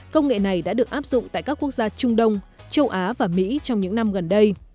công nghệ này đã được áp dụng tại các quốc gia trung đông châu á và mỹ trong những năm gần đây